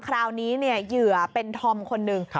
คราวนี้เหยื่อเป็นธอมคนหนึ่ง